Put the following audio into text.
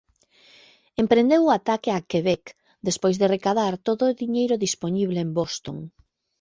Emprendeu o ataque a Quebec, despois de recadar todo o diñeiro dispoñible en Boston.